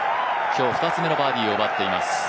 今日２つめのバーディーを奪っています。